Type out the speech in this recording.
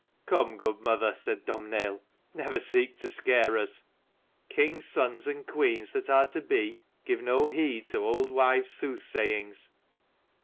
"Come, good mother," said Domhnaill, "never seek to scare us. King's sons and queens that are to be, give no heed to old wives' soothsayings.